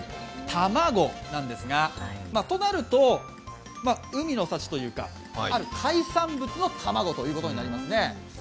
卵なんですが、となると海の幸というか、ある海産物の卵ということになりますね。